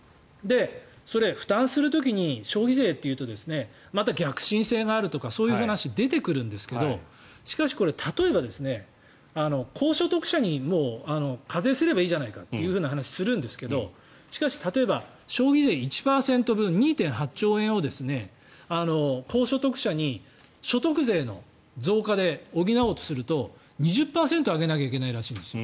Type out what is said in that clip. それ、負担する時に消費税っていうとまた逆進性があるとかそういう話が出てくるんですがしかし、例えば高所得者に課税すればいいじゃないかという話をするんですけどしかし例えば、消費税１％分２．８兆円を高所得者に所得税の増加で補おうとすると２０％上げないといけないらしいんです。